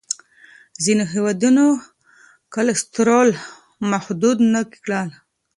ځینو هېوادونو کلسترول محدود نه کړ.